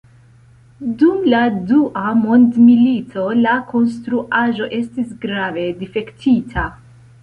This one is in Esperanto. Dum la Dua Mondmilito la konstruaĵo estis grave difektita.